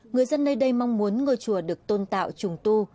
người dân nơi đây mong muốn ngôi chùa được tôn tạo trùng tu